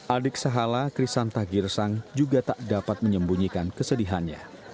adik sahala krisanta girsang juga tak dapat menyembunyikan kesedihannya